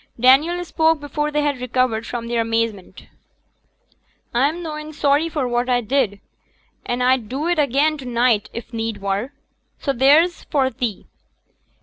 Daniel spoke before they had recovered from their amazement. 'A'm noane sorry for what a did, an' a'd do it again to neet, if need were. So theere's for thee.